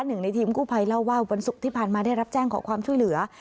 หนึ่งในทีมกู้ภัยเล่าว่าวันศุกร์ที่ผ่านมาได้รับแจ้งขอความช่วยเหลือ